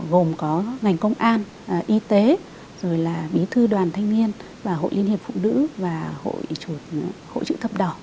gồm có ngành công an y tế rồi là bí thư đoàn thanh niên và hội liên hiệp phụ nữ và hội chữ thập đỏ